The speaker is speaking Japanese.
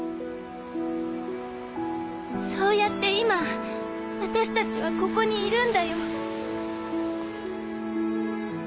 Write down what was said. そうやって今私たちはここにいるんだよ。